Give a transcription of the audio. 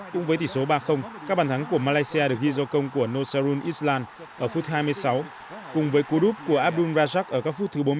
cùng với tỷ số ba các bàn thắng của malaysia được ghi do công của nosarun island ở phút hai mươi sáu